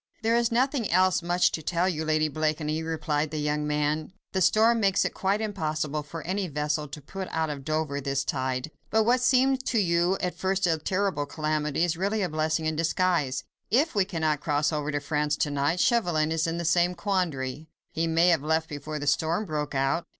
"There is nothing else much to tell you, Lady Blakeney," replied the young man. "The storm makes it quite impossible for any vessel to put out of Dover this tide. But, what seemed to you at first a terrible calamity is really a blessing in disguise. If we cannot cross over to France to night, Chauvelin is in the same quandary." "He may have left before the storm broke out."